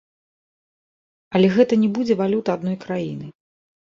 Але гэта не будзе валюта адной краіны.